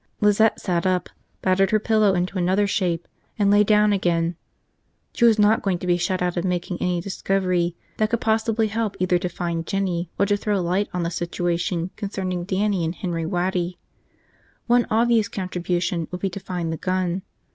Lizette sat up, battered her pillow into another shape, and lay down again. She was not going to be shut out of making any discovery that could possibly help either to find Jinny or to throw light on the situation concerning Dannie and Henry Waddy. One obvious contribution would be to find the gun.